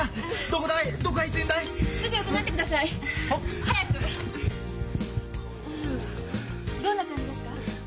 どんな感じですか？